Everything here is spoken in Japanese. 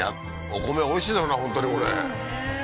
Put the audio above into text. お米おいしいだろうな、ほんとにこれ。